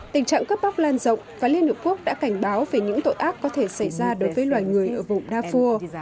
tình trạng cấp bóc lan rộng và liên hợp quốc đã cảnh báo về những tội ác có thể xảy ra đối với loài người ở vùng darfur